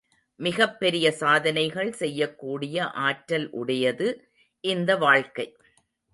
மிகப் பெரிய சாதனைகள் செய்யக்கூடிய ஆற்றல் உடையது இந்த வாழ்க்கை.